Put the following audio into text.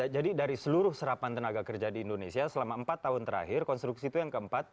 jadi dari seluruh serapan tenaga kerja di indonesia selama empat tahun terakhir konstruksi itu yang keempat